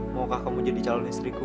maukah kamu jadi calon istriku